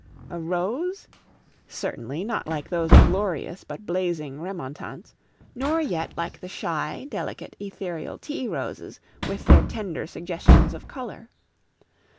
A rose! Certainly, not like those glorious but blazing remontants, nor yet like the shy, delicate, ethereal tea roses with their tender suggestions of color.